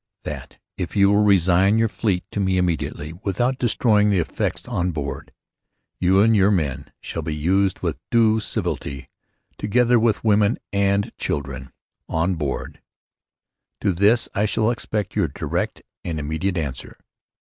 That if you will Resign your Fleet to me Immediately, without destroying the Effects on Board, You and Your men shall be used with due civility, together with women & Children on Board. To this I shall expect Your direct and Immediate answer.